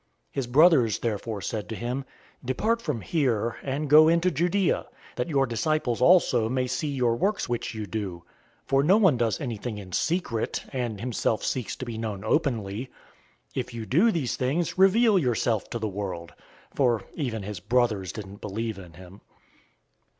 007:003 His brothers therefore said to him, "Depart from here, and go into Judea, that your disciples also may see your works which you do. 007:004 For no one does anything in secret, and himself seeks to be known openly. If you do these things, reveal yourself to the world." 007:005 For even his brothers didn't believe in him.